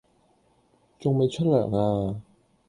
仲未出糧呀